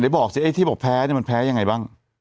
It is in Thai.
เดี๋ยวบอกสิไอ้ที่บอกแพ้มันแพ้ยังไงบ้าง